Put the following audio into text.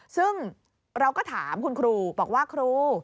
ซึ่งเราก็ถามคุณครูบอกว่าครู